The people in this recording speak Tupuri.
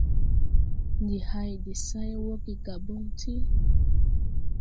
Ndi hay de sãy wɔge Gabɔŋ ti.